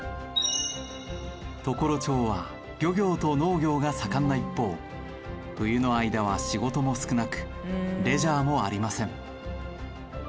常呂町は漁業と農業が盛んな一方冬の間は仕事も少なくレジャーもありません。